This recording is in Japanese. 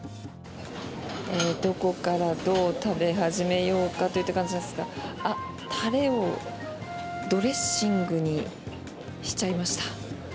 どこからどう食べ始めようかといった感じですがタレをドレッシングにしちゃいました。